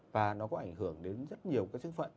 và nó có ảnh hưởng đến rất nhiều các chức phận